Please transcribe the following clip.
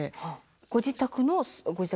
ご自宅のご実家。